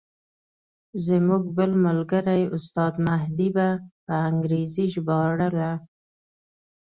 زموږ بل ملګري استاد مهدي به په انګریزي ژباړله.